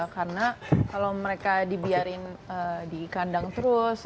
karena kalau mereka dibiarin di kandang terus